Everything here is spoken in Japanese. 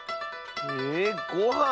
えごはん？